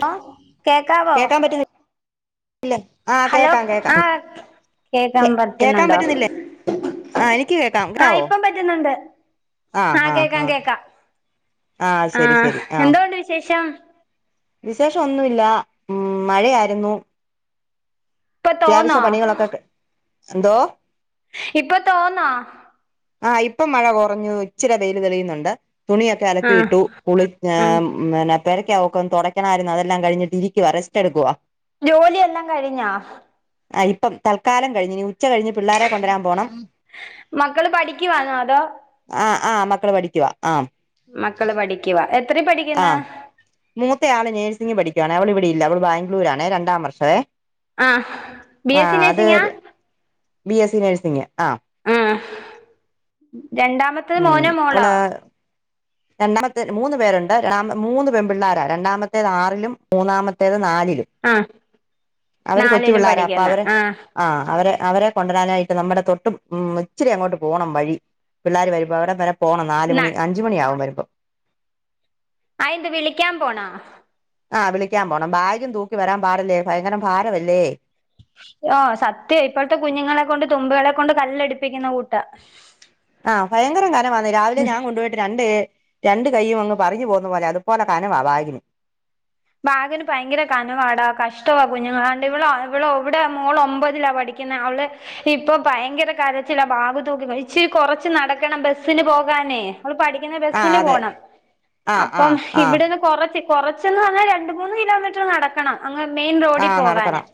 ട കേക്കാവോ? കേക്കാൻ പറ്റുന്നില്ലേ ആ ഹലോ? കേക്കാം കേക്കാം ആഹ കേ കേക്കാൻ കേക്കാൻ പറ്റുന്നുണ്ടോ പറ്റുന്നില്ലേ ആ എനിക്ക് കേക്കാം ആഹ കേക്കാവോ ഇപ്പം പറ്റുന്നുണ്ട്. ആ ആഹ് ആ ആ കേക്കാം കേൾക്കാം ആ ശരി ആഹ ശരി ആ എന്തോണ്ട് വിശേഷം. വിശേഷം ഒന്നുമില്ല. ഉ മഴയായിരുന്നു. ഇപ്പൊ അത്യാവശ്യ തോന്നോ പണികളൊക്കെ എന്തോ? ഇപ്പൊ തോന്നാ. ആഹ് ഇപ്പം മഴ കുറഞ്ഞു ഇച്ചിരി വെയിലൽ തെളിയുന്നുണ്ട്. തുണിയൊക്കെ ആഹ് അലക്കിയിട്ടു കുളി ആഹ് പിന്നെ പെരക്കൊവക്കും തുടക്കണമായിരുന്നു അതെല്ലാം കഴിട്ട് ഇരിക്കുവാ റസ്റ്റ് എടുക്കുവാ. ജോലിയെല്ലാം കഴിഞ്ഞാ? ആ ഇപ്പം തൽക്കാലം കഴിഞ് നി ഉച്ച കഴിഞ്ഞ് പിള്ളേര കൊണ്ടുവരാൻ പോകണം. മക്കള് പഠിക്കവാന്നോ അതോ? ആ ആഹ് മക്കള് പഠിക്കവാ ആ മക്കള് പഠിക്കവാ എത്ര ആ പഠിക്കുന്ന്. മൂത്തയാള് നേഴ്സിംഗ് പഠിക്കുവാണ് അവള് ഇവിടെയില്ല അവള് ബംഗ്ലൂരാണെ രണ്ടാം വർഷവേ ആഹ് ബിഎസ്സി ആഹ് അത് നേഴ്സിങ്ങാ ബി എസ് സി നേഴ്സിംഗ ആഹ് ഉം രണ്ടാമത്തത് ഉം മോനോ മോളോ അവള് രണ്ടാമത്തെ മൂന്ന് പേരുണ്ട് രണ്ടാമ മൂന്ന് പെൺ പിള്ളേര രണ്ടാമത്തേത് ആറിലും മൂന്നാമത്തേത് നാലിലും ആഹ് അവര് കൊച്ചു നാലിലും പിള്ളോരാ അപ്പൊ പഠിക്കുന്ന് അവര് ആഹ് അവരെ അവരെ കൊണ്ടുവരാനായിട്ട് നമ്മുടെ തൊട്ട് ഉം ഇച്ചിരി അങ്ങോട്ട് പോണം വഴി പിള്ളേര് വരുമ്പ അവിടെ വരെ പോണം നാല് ന മണി അൻജ് മണി ആകും വരുമ്പോ അയന്ത് വിളിക്കാൻ പോണോ ആഹ് വിളിക്കാൻ പോണം ബാഗ്യം തൂക്കി വരാൻ പാടില്ലേ ഭയങ്കര ഭാരവല്ലേ ഓഹ് സത്യ ഇപ്പോഴത്തെ കുഞ്ഞുങ്ങളെ കൊണ്ട് തുമ്പുകളെ കൊണ്ട് കല്ലടിപ്പിക്കുന്ന കൂട്ടാ ആഹ് ഭയങ്കര കനമാണ്ന രാവിലെ ഞാൻ കൊണ്ടുപോയിട്ട് രണ്ട് രണ്ട് കൈയുംങ് പറഞ്ഞു പോകുന്ന പോലെ അതുപോലെ കനമാ ബാകിനു ബാഗിന് ഭയങ്കര കനവാടാ കഷ്ടമാ കുഞ്ഞുങ്ങൾ കണ്ട് ഇവള ഇവ ഇവിടെ മോള ഒമ്പതിലാ പഠി കിനെ അവളെ ഇപ്പൊ ഭയങ്കര കാരച്ചിലാ ബാഗു തോക്കി ഇച്ചിരി കൊറച്ച് നടക്കണം ബസ്സിന് പോകാനേ നമ്മ പഠിക്കുന്ന ആഹ് ബസിന് അതെ പോണം ആഹ് അപ്പ ആഹ് ആഹ് ഇവിടെന്ന് കൊറച് കൊറച്ന്ന് പ അഹ് രണ്ട് മൂന്ന് കിലോമീറ്റർ നടക്കണം അങ് മെയിൻ റോഡിൽ ആഹ് പോകാന് നടക്കണം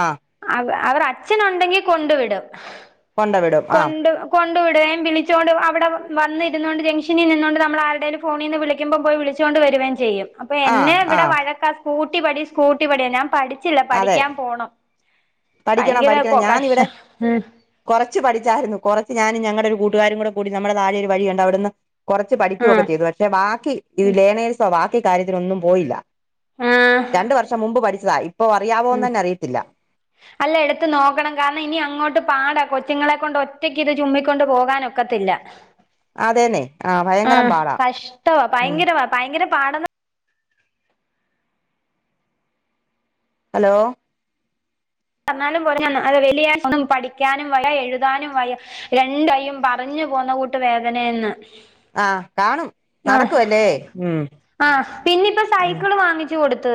ആഹ് അവ അവർ അച്ഛനുണ്ടെങ്കി കൊണ്ടു വിടും കൊണ്ട് വിടും ആഹ് കൊണ്ട് കൊണ്ടുവിടുകയും വിളിച്ചോണ്ട് അവിടെ വന്നിരുന്നോണ്ട് ജംഗ്ഷനിൽ നിന്നോണ്ട് നമ്മൾ ആരുടെേലും ഫോണിന്ന് വിളിക്കുമ്പോം പോയി വിളിച്ചു ച്ചോണ്ട് വരുവേം ചെയ്യും അപ്പൊ ആഹ് എന്നെ ഇവിടെ ആഹ് വഴക്കാ സ്കൂട്ടി പടി സ്കൂട്ടി പടി ഞാൻ പഠി ച്ചില്ല അതെ പഠിക്കാൻ പോണം ഭയങ്കര കൊ കഷ കുറച്ച് പഠിച്ചായിരുന്നു കുറച്ച് ഞാനും ഞങ്ങടെ ഒരു കൂട്ടുകാരും കൂടെ കൂടി നമ്മുടെ നാടിയ ഒരു വഴിയുണ്ട് അവിടെന്ന് കുറച്ച് പഠിക്കുകയൊക്കെ ആഹ് ചെയ്തു പക്ഷെ ബാക്കി ഇ ഉം ലേനേൽസോ ബാക്കി കാര്യ തിനൊന്നും പോയില്ല ആഹ് രണ്ട് വർഷം മുമ്പ് പഠിച്ചതാ ഇപ്പോ ഉം അറിയാാവോന്നന്നെ അറിയത്തില്ല അല്ല എടുത്ത് നോക്കണം കാരണം ഇനി അങ്ങോട്ട് പാടാ കൊച്ചുങ്ങളെ കൊണ്ട് ഒറ്റക്ക് ഇത് ചുമ്മിക്കൊണ്ട് പോകാനൊക്കത്തില്ല അതേന്നെ ആഹ് ഭയങ്കരം ഏഹ് പാടാ കഷ്ടവാ ഉം ഭയങ്കര ഭയങ്കര പാട ഹലോ പറഞ്ഞാലും പോ അത് വലിയ ഒന്നും പഠിക്കാനും വയ എഴുതാനും വയ രണ്ടും പറഞ്ഞു പോന്ന കൂട്ട് വേദനന്ന് ആഹ് കാണും ആഹ് നടക്കുവല്ലേ ഉം ആഹ് പിന്നെപ്പ ഉം സൈക്കിള് വാങ്ങി ച്ചി കൊടുത്ത്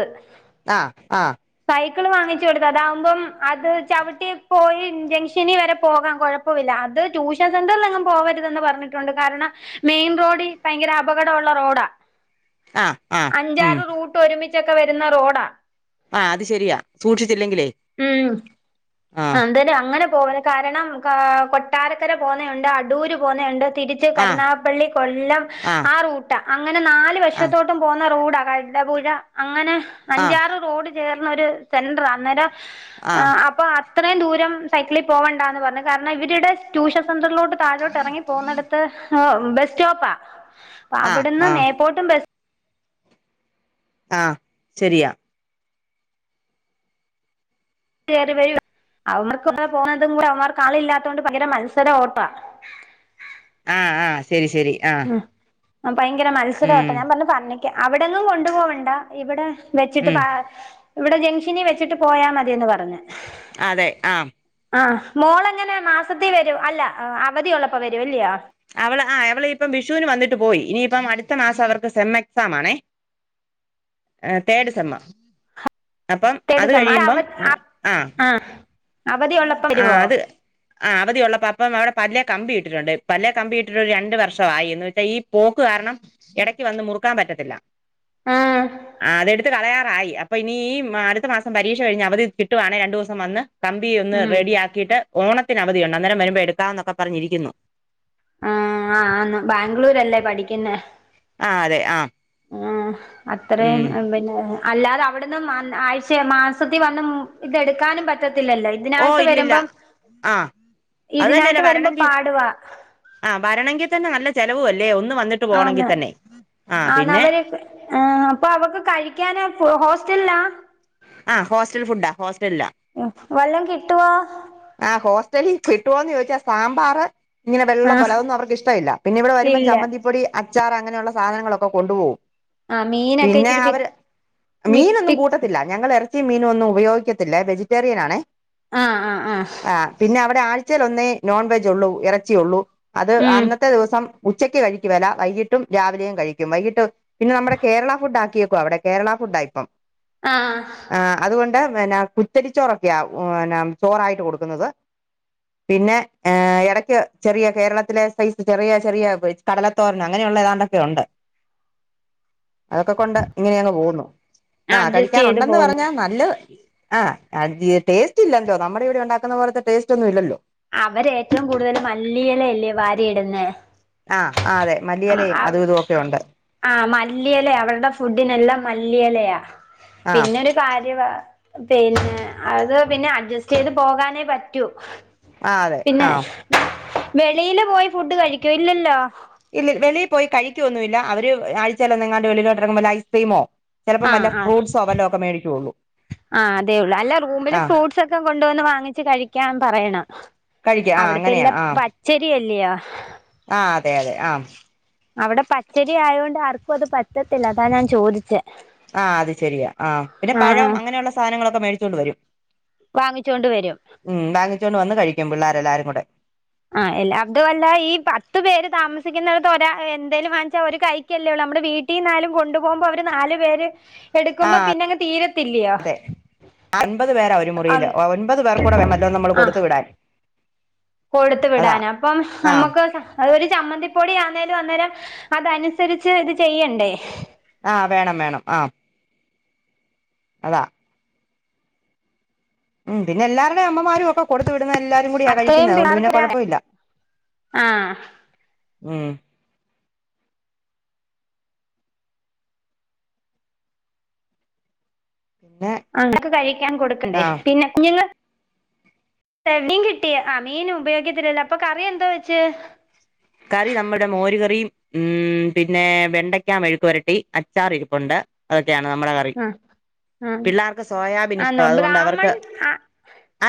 ആഹ് ആഹ് സൈക്കിള് വാങ്ങിച്ചു കൊടുത്ത അതാവുമ്പം അത് ചവിട്ടി പോയി ജംഗ്ഷനി വരെ പോകാം കൊഴ പ്പൂല്ല അത് ട്യൂഷൻ സെന്ററിലെങ്ങും പോവരുതെന്ന് പറഞ്ഞിട്ടുണ്ട് കാരണം മെയിൻ റോഡ് ഭയങ്കര അപകടള്ള റോഡാ ആഹ് ആഹ് ഉം അഞ്ചാറ് റൂട്ട് ഒരുമിച്ചൊക്കെ വരുന്ന റോഡാ ആഹ് അത് ശരിയാ സൂക്ഷിച്ചില്ലെങ്കിലേ ആഹ് ന്തെലു അങ്ങനെ പോവല കാരണം കാ കൊട്ടാരക്കര പോന്നെ ഉണ്ട് അടൂര് പോന്നെണ്ട് തിരി ച്ച് ആഹ് കരുനാകപ്പള്ളി കൊല്ലം ആഹ് റൂ ട്ട അങ്ങനെ നാല് ആഹ് വശത്തോട്ടും പോന്ന റോഡാ കടുതപുഴ അങ്ങനെ ആഹ് അഞ്ചാറ് റോഡ കേർന്നൊരു സെൻട്ര അന്നേരം ആഹ് അപ്പ ഇത്രയും ദൂരം സൈക്കിളിൽ പോവണ്ടന്ന് പറഞ്ഞു കാരണം ഇവരുടെ ട്യൂഷൻ സെന്ററിലോട്ട് താഴോട്ട് ഇറങ്ങി പോന്നടത്ത് എഹ് ബസ്റ്റോപ്പ ആഹ് അവിടുന്ന് ആഹ് മേട്ടും ബസ് ആഹ് ശരിയാ കേറി വരും അവർക്ക്ടെ പോന്നതും കൂടെ അവമാർക്ക് ആളില്ലാത്തോണ്ട് ഭകര മത്സര ഓട്ടാ ആഹ് ആഹ് ശരി ശരി ആഹ് അഹ് ഭയങ്കര ഉം മത്സരവൊട്ട ഞാൻ പറഞ്ഞു പറഞ്ഞിക്ക അവിടെങ്ങും കൊണ്ടു പോവണ്ട ഇവിടെ വെച്ചിട്ട് ഉം പ ഇവിടെ ജംഗ്ഷനിൽ വെച്ചിട്ട് പോയാ മതിയന്ന് പറഞ് അതെ ആഹാ. ആഹ് മോളെങ്ങനെ മാസത്തി വരും, അല്ല അവധിയ ഉള്ളപ്പോ വരുംല്ലയോ? അവള് ആ അവള ഇപ്പം വിഷുവിന് വന്നിട്ട് പോയി ഇനിയിപ്പം അടുത്ത മാസം അവർക്ക് സെം എക്സാം ആണേ, ആഹ് തേടസമ്മ. തഡസമാ ആഹ് അവധിയുള്ള. ആഹ് അത, ആഹാ അവധിയുള്ളപ്പ അപ്പം, അവിടെ പല്ലേ കമ്പ ഇട്ടിട്ടുണ്ട്. പല്ലേ കമ്പി ഇട്ടിട്ട് ഒരു രണ്ട വർഷമായിന്ന്- വച്ചാ ഈ പോക്ക് കാരണം- ഇടക്ക് വന്ന് മുറുക്കാൻ പറ്റത്തില്ല. ആഹ് ആഹ് അതെടുത്ത് കളയാറായി. അപ്പോ ഇനി ഈ അടുത്ത മാസം പരീക്ഷ കഴിഞ്ഞൽ അവധി- കിട്ടുവാണേ രണ്ടു ദിവസം വന്ന്- കമ്പി ഒന്ന് ഉം റെഡി ആക്കി. ആക്കിട്ട് ഓത്തിന് അവധിയുണ്ട്- അന്നരം വരുമ്പോ എടുക്കാ- എന്നൊക്കെ പറഞ്ഞിരിക്കുന്നു. ആഹ് ആഹ് ബാംഗ്ലൂരല്ലേ പഠിക്കുന്ന- ആ അതെ ആ ആഹാ അത്രയും ഉം പിന്നെ- അല്ലാതെ അവിടന്നും ആഴ്ച- മാസത്തിൽ വന്നും ഇതെടുക്കാനും പറ്റത്തില്ലല്ലോ. ഓ ഇതിനായിട്ട് ഇല്ലില്ല വരുമ്പം, ആ ഇതിനായിട്ട് വരുമ്പോ പാടുവാ- ആഹാ ണെങ്കിൽ തന്ന നല്ല- ചിലവവും അല്ലേ ഒന്ന് വന്നിട്ട്. ആന്ന പോണെങ്കിൽ തന്നെ ആ ആഹാ പിന്നെ അവരൊക്കെ- ആഹ് അപ്പോ അവക്ക് കഴിക്കാന- ഹോസ്റ്റല ആഹ്, ആഹ് ഹോസ്റ്റൽ ഫുഡ്‌ ആഹ്, ഹോസ്റ്റലിലാ. വല്ലം കിട്ടുവാ. ആഹ് ഹോസ്റ്റലിൽ കിട്ടുവോന്ന്- ചോദിച്ചാ സാമ്പാർ- ഇങ്ങനെ ആ വെള്ളപ്പോ അതൊന്നും, അവർക്ക്ഷ്ടില്ല. പിന്നെ ഇവിടെ വരുമ്പം ഇല്ല ചന്തിപ്പൊടി, അച്ചാറ് അങ്ങനെയുള്ള സാധനങ്ങളൊക്കെ കൊണ്ടുപകും. ആ മീനൊക്കെ പിന്നെ ഇച്ചിരി പി അവര് മിക് മീനൊന്നും പിക് കൂട്ടത്തില്ല. ഞങ്ങൾ ഇറച്ചി, മീന ഒന്നും- ഉപയോഗിക്കത്തില്ലവെജിറ്റേറിയൻ ആണേ. ആഹ്, ആഹ്, ആഹ്. ആ പിന്നെ അവിടെ ആഴ്ചൽ ഒന്നേ നോൺവെജ് ഉള്ളൂ, ഇറച്ചിയള്ളൂ അത് ഉം അന്നത്തെ ദിവസം- ഉച്ചയ്ക്ക് കഴിക്കുംല്ല വൈകിട്ടും, രാവിലെയും കഴിക്കും. വൈകിട്ട് പിന്നെ നമ്മുടെ കേരള ഫുഡ്- ആക്കിയക്കും അവിടെ. കേരള ഫുഡ് ഇപ്പം. ആഹാ. ആ അതുകൊണ്ട് എന്നാ- കുത്തരിച്ചോറൊക്കെയാ, ചോറായിട്ട് കൊടുക്കുന്നത്. പിന്നെ ഹ ഇടക്ക് ചെറിയ, കേരളത്തിലെ സൈസ് ചെറിയ, ചെറിയ ഉപോഗ- കടലത്തോരന് അങ്ങനെയുള്ള ഏതാണ്ടൊക്കെ ഉണ്ട്. [inaudible] അതൊക്കെ കൊണ്ട് ഇങ്ങനെ അങ്ങ് പോവുന്നു. ആഹാ കഴികാ അഡ്ജസ്റ്റ് ചെയ്ത് നുണ്ടെന്ന് പോന്ന് പറഞ്ഞാ നല്ലത്. ആഹാ ആഹാ ടേസ് ഇല്ലല്ലോ, നമ്മുടെ ഇവിടെ ഉണ്ടാക്കുന്ന- പോലത്തെ ടേസ്റ്റ് ഒന്നുല്ലല്ലോ. അവര് ഏറ്റവും കൂടുതൽ മല്ലിയലല്ലേ വാരിയിടുന്നേ. ആ, ആ, അതെ മല്ലിയലയും അതു- ഇതുഒക്കെ ഉണ്ട്. ആ മല്ലില അവരുടെഫുഡിനെല്ലാം മല്ലിയലയയാ ആഹ് പിന്നൊരു- കാര്യ പിന്നെ അത് പിന്നെ അഡ്ജസ്റ്റ് ചെയ്ത് പോകാനേ പറ്റൂ. ആഹ് അതെ പിന്നെ ആഹ് വെളിയില് പോയി ഫുഡ് കഴിക്കോ? ഇല്ലല്ലോ? ഇല്ല വെളിയി പോയി കഴിക്കൊന്നുല്ല അവര് ആഴ്ചല്ല ന്നങ്ങാണ്ട്- വെളിട്ടലോട്ട് ഇറങ്ങ്മ്പല് ഐസ്ക്രീമോ, ചലപ്പം വല്ല ഫ്രൂഡ്സോ വെല്ല ഒക്കെ മേടിക്കുള്ളൂ. ആഹാ അതേ ഉള്ളൂ. അല്ല റൂമിൽ ആഹ് ഫ്രൂഡ്സ് ഒക്കെ കൊണ്ടുവന്ന് വാങ്ങിച്ച് കഴിക്കൻ പറയണം. കഴിക്ക ആഹ് അവിടത്തെ അങ്ങനെയാ എല്ലാം പച്ചരിയല്ലയോ? ആഹാ അതെ, അതെ, ആഹാ. അവിടെ പച്ചരി ആയോണ്ട് ആർക്കും അത് പറ്റത്തില്ല, അതാ ഞാൻ ചോദിച്ചെ. ആഹാ അത് ശരിയാ, ആ പിന്നെ പഴം അങ്ങനെയുള്ള- സാധനങ്ങളൊക്കെ മേടിച്ചോണ്ട് വരും. വാങ്ങിച്ചൊണ്ട് വരും. ഉം വാങ്ങിച്ചുകൊണ്ട് വന്ന് കഴിക്കും പിള്ളേരെല്ലാരും കൂടെ. ആഹാ എല്ല അതു അല്ല, ഈ പത്ത് പേര് താമസിക്കുന്നട്ത്ത് ഒരാ എന്തേലും വാങ്ങിച്ചാ ഒര് കൈ- കല്ലേള്ളൂ നമ്മുടെ വീട്ടിന്നായാലും, കൊണ്ടു പോകുമ്പോ അവര് നാല് പേര്- എടുക്കുമ്പോ ആഹ് പിന്നങ്ങ് തീരത്തില്ല്യ ഒമ്പത് പേരാ ഒരു മുറിയില് ഒമ്പത് പേർ കൂടെ വേമല്ലോ നമ്മൾ ആഹ് കൊടുത്ത് വിടാൻ കൊടുത്തു അതാ വിടാൻ അപ്പം ആഹ് നമ്മക്ക് അത് ഒരു ചമ്മന്തിപ്പൊടി ആന്നേലും അന്നേരം അതനുസരിച്ച് ഇത് ചെയ്യണ്ടേ ആഹ് വേണം വേണം ആഹ് അതാ ഉം പിന്നെ എല്ലരുടെ അമ്മ മാരും ഒക്കെ കൊടുത് വിട്ന്നെ എല്ലാരും കൂടിയാ അത്രയും കഴിക്കുന്നെ അത് കൊണ്ട് പിന്നെ പിള്ളേർക്ക് ഒരാ കുഴപ്പയില്ല ആഹ് ഉം ഏ അങ്ങക്ക് കഴിക്കാൻ കൊടുക്കണ്ടേ പിന്നെ കുഞ്ഞുങ്ങൾ തരണ്ടി കിട്ടി ആ മീനു ഉപയോഗിക്കത്തിലല്ലോ അപ്പൊ കറി എന്താ വെച്ച് കറി നമ്മുടെ മോര് കറിയും ഉം പിന്നെ വെണ്ടയ്ക്ക മെഴുക്ക് വരട്ടി അച്ചാർ ഇരിപ്പുണ്ട് അതൊക്കെയാണ് നമ്മടെക ആഹ് ആഹ് പിള്ളേർക്ക് സോയാബീൻ ഇഷ്ട്ടാ ആന്നോ അതുകൊണ്ട് അവർക്ക് ബ്രാഹ്മൺ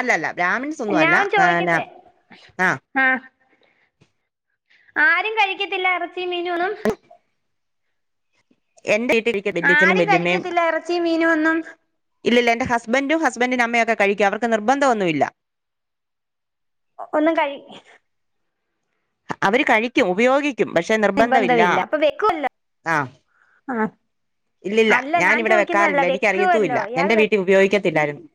അല്ലല്ല ബ്രാഹ്മിൺസ് ഒന്നും അല്ല ഞാൻ നയന ചോദിക്കട്ടെ ആഹ് ആഹ് ആരും കഴിക്കത്തില്ല ഇറച്ചി മീനോന്നും എന്റെ ഇഡ് ലി ആരും കഴിക്കത്തില്ല ഇറച്ചി മീനു ഒന്നും ഇല്ലില്ല എന്റെ ഹസ്ബന്റും ഹസ്ബന്റിന്റെ അമ്മയൊക്കെ കഴിക്കും അവർക്ക് നിർബന്ധ ഒന്നുല്ല ഒന്നും കഴി അവര് കഴിക്കും ഉപയോഗിക്കും പക്ഷെ നിർബന്ധമില്ല ആഹ് ആഹ് ഇല്ലില്ല അല്ല ഞാൻ ഞാനിവിടെ ചോദിക്കുന്നതല്ല വെക്കാറില്ല എനിക്കറിയത്തൂല്ല വെക്കുവല്ലോ എന്റെ ഇയാൾവെക്ക് വീട്ടിൽ ഉപയോഗിക്കത്തില്ലായിരുന്നു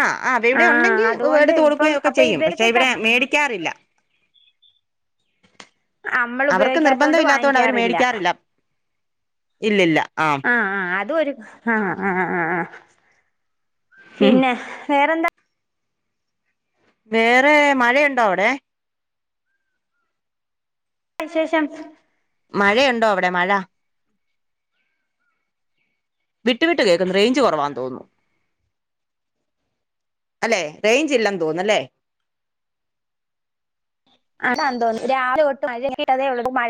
ആഹ് ആഹ് ആ അവഇവിടെ ഉണ്ടെങ്കിൽ അതുകൊണ്ട് വീട്തോട് ഇപ്പം പ്പോയി യൊക്കെ അപ്പൊ ചെയ്യും പക്ഷെ ഇവർക്ക് ക ഇവിടെ മേടിക്കാറില്ല നമ്മൾ അവർക്ക് ഉപയോഗിക്കാത്തോണ്ട് നിർബന്ധം ഇല്ലാത്ത കൊണ്ട് അവര് വാങ്ങിക്കാറില്ല മേടിക്കാറില്ല ഇല്ലല്ല ആഹ് ആഹ് ആഹ് അതരു ആഹ് ആഹ് പിന്നെ വേറെന്ത വേറെ മഴയുണ്ടോ അവിടെ വിശേഷം മഴയുണ്ടോ അവിടെ മഴ വിട്ടു വിട്ട് കേൾക്കുന്ന റേഞ്ച് കുറവാന്ന് തോന്നുന്നു. അല്ലെ റേഞ്ച് ഇല്ലാന്ന് തോന്നുന്നു അല്ലേ. അതാണ് തോന്നുന്നു രാവിലെ തൊട്ട് മഴങ്ങനെ മഴ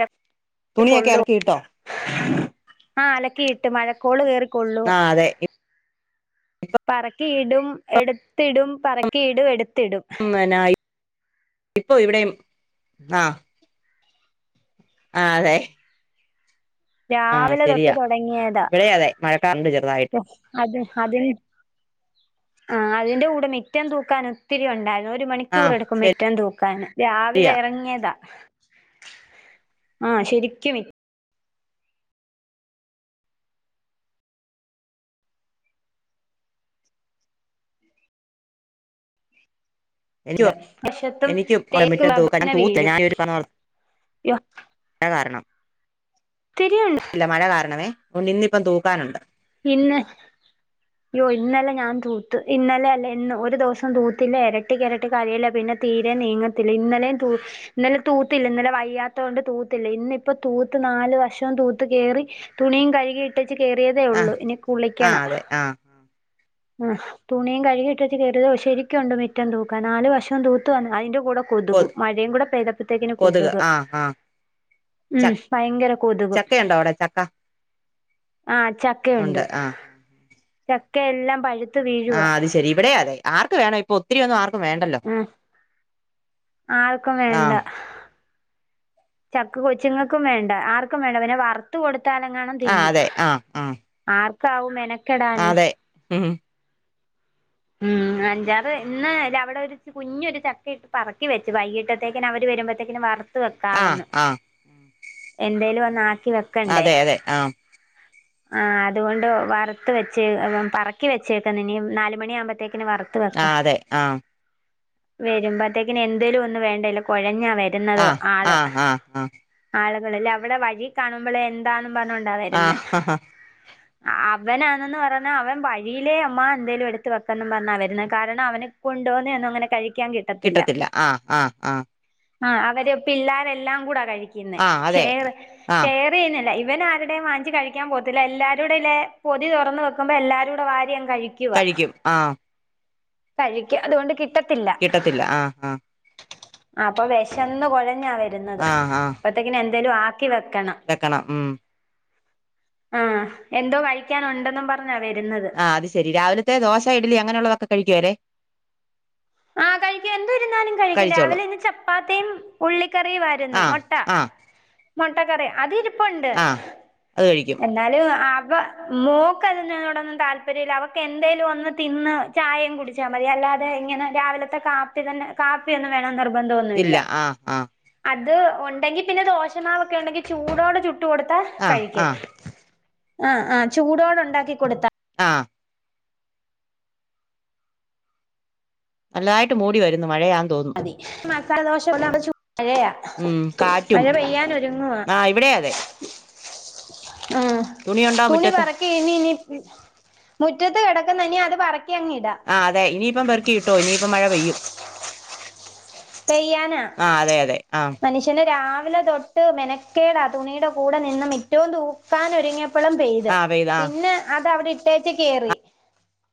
തുണിയൊക്കെ അലക്കിയിട്ടോ ആഹ് അലക്കി ഇട്ട് മഴക്കോള് കേറി കൊള്ളുവ ആഹ് അതെ പറക്കിയിടും എടുത്തിടും പറക്കിയിടും എടുത്തിടും ഉം നന്നായി ഇപ്പൊ ഇവിടെയും ആഹ് ആഹ് അതെ ആഹ് രാവിലെ തൊട്ട് ശരിയാ തുടങ്ങിയതാ ഇവിടെ അതെ മഴക്കാറുണ്ട് ചെറുതായിട്ട് അത് അതിന് ആഹ് അതിന്റെ കൂടെമിറ്റം തൂക്കാൻ ഒത്തിരി ഉണ്ടായിരുന്നു. ഒരു മണിക്കൂർ ആഹ് എടുക്കും മിറ്റം തൂക്കൻ രാവിലെ ശരിയാ ഇറങ്ങിയതാ. ആഹ് ശരിക്കും മി എനിക്ക് മിറ്റണ്ട് വശത്തും എനിക്ക് തേക്കും മിറ്റം തൂക്കണം റബ്ബറിങ്ങനെ തൂത്ത് വീഴും ഞാൻ പറഞ്ഞ പോലെ കാരണം ഇത്തിരിയുള്ളു. ല്ല മഴ കാരണമേ ഇന്നിപ്പം തൂക്കാനുണ്ട്. പിന്നെ യ്യോ ഇന്നലെ ഞാൻ തൂത്ത് ഇന്നലെ അല്ല ഇന്ന് ഒരു ദിവസം തൂത്തില്ല ഇരട്ടിക്ക് ഇരട്ടിക്ക് കരിയില പിന്നെ തീര നീങ്ങത്തില്ല ഇന്നലെ തൂ ഇന്നലെ തൂത്തില്ല ഇന്നലെ വയ്യാത്തോ ണ്ട് തൂത്തില്ല ഇന്ന് ഇപ്പോ തൂത്ത് നാല് വഷവും തൂത്ത് കേറി തുണിയും കഴുകി ഇട്ടേച്ച് കേറിയതേ ആഹ് ഉള്ളൂ ഇനി ആഹ് കുളിക്കണം. അതെ ആഹ് ആഹ് തുണിയ കഴുകിട്ട വെച്ച് കയറത് ശരിക്കുണ്ട് മുറ്റം തൂക്കാ നാല് വശവും തൂത്തു വന്നു അതിന്റെ കൂടെ കൊ കൊതുകും മഴയും കൂടെ പെയ്തപ്പോഴത്തേക്കിന് കൊതുക് ആഹ് ആഹ് ഉം ച ഭയങ്കര കൊതുക് ചക്കയുണ്ടോ അവിടെ ചക്ക ആഹ് ചക്കയുണ്ട് ഉണ്ട് ആഹ് ചക്കയെല്ലാം പഴു ആഹ് അത് ശെരി ഇവിടെ അതെ ആർക്ക് വേണ ഇപ്പൊ ഒത്തിരി ഒന്നും ആർക്കും വേണ്ടല്ലോ ഉം ആർക്കും വേണ്ട ആഹ് ചക്ക കൊച്ചുങ്ങൾക്കും വേണ്ട ആർക്കും വേണ്ട പിന്നെ വറുത്ത കൊടുത്താലെങ്ങണം ആഹ് തിന്നും. അതെ ആഹ് ആഹ് ആർക്കാവും മെനക്കെടാന് ഹം ഉം അഞ്ചാറ് ഇന്ന് അല്ല അവിടെ ഒരു കുഞ്ഞൊരു ചക്ക ഇട്ട് പറിക്കി വച്ച് വൈകിട്ടത്തേക്ക് അവർരുമ്പോഴത്തേക്കും വറ്ത്ത് ത്ത് ആഹ് വെക്കാവന്ന ആഹ് എന്തേലും ഒന്ന് ആക്കി വെക്കണ്ടേ. അതെ അതെ ആഹ് ആഹ് അതുകൊണ്ട് വറുത്ത് വെച്ച് പറക്കി വെച്ചേക്കുന്ന ഇനിയും നാല് മണിയ ആമ്പത്തേക്കിന് വറുത്ത് വെക്കാം. ആഹ് അതെ ആഹ് വരുമ്പോത്തേക്കിന് എന്തേലും ഒന്നും വേണ്ട ല്ല കൊഴഞ്ഞാ വരുന്നത് ആഹ് ആള്. ആഹ് ആഹ് ആളുകളല്ലേ അവിടെ വഴി കാണുമ്പഴെ എന്താന്നും പറഞ്ഞോണ്ടാ വരുന്നേ ആഹ് ആഹ് അവനാണെന്ന് പറഞ്ഞാ അവൻ വഴിയിലേ അമ്മ എന്തേലും എട് ഡ്ത് വക്കും പറഞ്ഞാ വരുന്നേ കാരണം അവന കൊണ്ടോവന്ന് എന്നുംഅങ്ങനെ കഴിക്കാൻ കിട്ട കിട്ടത്തില്ല ആഹ് ആഹ് ആഹ് ആഹ് അവര് പിള്ളേരെഎല്ലാം കൂടാ കഴിക്കുന്നെ ആഹ് അതെ ഷെയ്റ് ആഹ് ഷെയ്റ് [unintelligible] ഇവനാരുടെമ് വാങ്ങിച് കഴിക്കാൻ പോത്തില്ല എല്ലാരുടെലെ പൊതി തൊറന്ന് വെക്കുമ്പോ എല്ലാരുടെ വാരിയങ് കഴിക്കും. കഴിക്കും ആഹ് കഴിക്ക അതുകൊണ്ട് കിട്ടത്തില്ല. കിട്ടത്തില്ല ആഹ് ആഹ് ആഹ് അപ്പൊ വെശന്ന് കുഴഞ്ഞാ വരുന്നത് ആഹ് ആഹ് അപ്പത്തേക്കിന് എന്തേലും ആക്കി വെക്കണം. വെക്കണം ഉം ആഹ് എന്തോ കഴിക്കാനുണ്ടെന്നും പറഞ്ഞാ വെരുന്നത്. ആ അത് ശരി രാവിലത്തെ ദോശ ഇഡലി അങ്ങനെയുള്ളതൊക്കെ കഴിക്കേ അവര് ആഹ് കഴിക്കാൻണ്ട്. ന്ത്‌ര്ന്നാലും കഴികും കഴിച്ചോളും രാവിലെ ഇന്ന് ചപ്പാത്തിം ഉള്ളിക്കറിയുമായിരുന്നു ആ മൊട്ട ആ മുട്ടക്കറി അതി ഇരിപ്പുണ്ട് ആ അത് കഴിക്കും എ ന്നാലും അവ മോക്ക് അതിനോടൊന്നും താൽപര്യല്ല അവക്ക് എന്തേലും ഒന്ന് തിന്ന് ചായിം കുടിച്ചാ മതി അല്ലാതെ ഇങ്ങനെ രാവിലത്തെ കാപ്പി തന്നെ കാപ്പിയൊന്നും വേണോന്ന് നിർബന്ധഒന്നുല്ല ഇല്ല ആ ആ അത് ഒണ്ടെങ്കി പിന്നെ ദോഷമാവൊക്കെ ഉണ്ടെങ്കി ചൂടോടെ ചു ട്ട് കൊടുത്താ ആ കഴിക്കും ആ ആഹ് ആഹ് ചൂടോടെ ഉണ്ടാക്കി കൊട്ത്ത ആഹ് നല്ലതായിട്ട് മൂടി വരുന്നു മഴയാന്ന് തോന്നുന്നു മതി മസാലദോശല പോലെ ചു മഴയാ ഉം മഴ കാറ്റും പെയ്യാനൊരുങ്ങുവാ ആ ഇവിടെ അതെ ഉം തുണിയുണ്ടോ തുണി മുറ്റത്ത് പെറ ക്കി ഇഞ് ഞ്ഞ് മുറ്റത്ത് കിടക്കുന്ന് ഇനി അത് പറക്കി അങ്ങ് ഇടാ ആഹ് അതെ ഇനിയിപ്പം പെറുക്കി ഇട്ടോ ഇനിയിപ്പം മഴ പെയ്യും പെയ്യാനാ ആ അതെ അതെ ആ മനുഷ്യന് രാവിലെ തൊട ട്ട് മെനക്കേടാ തുണിയുടെ കൂടെ നിന്നും മിറ്റവും തൂക്കാനൊരുങ്ങിയ പ്പളും പെയ്ത് ആ ആ പിന്നെ അത് അവിടെ ഇട്ടേച്ച് കേറി